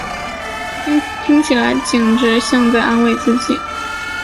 听起来简直像在安慰自己